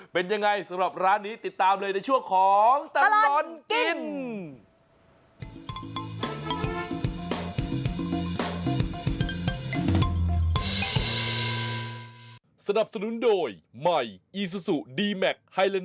เป็นยังไงสำหรับร้านนี้ติดตามเลยในช่วงของตลอดกิน